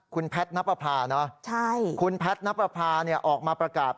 คุณแพทย์นับประพานะคุณแพทย์นับประพาออกมาประกาศ